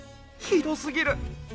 ひどすぎる。